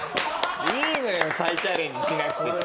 いいのよ再チャレンジしなくても。